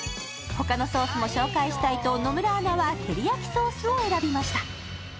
他のソースも紹介したいと野村アナはテリヤキソースを選びました。